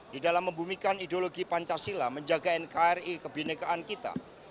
di dalam membumikan ideologi pancasila menjaga nkri kebenekaan kita